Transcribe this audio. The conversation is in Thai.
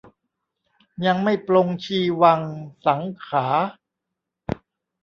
ยังไม่ปลงชีวังสังขาร์